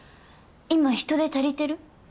今人手足りてる？